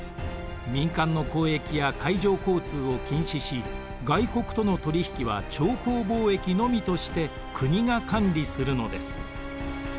民間の交易や海上交通を禁止し外国との取り引きは朝貢貿易のみとして国が管理するのです。